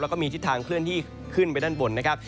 แล้วก็มีทิศทางเคลื่อนที่ขึ้นไปด้านบนนะครับ